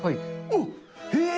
おっ、えー。